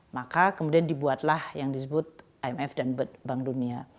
maka kemudian dibuatlah yang disebut imf dan bank dunia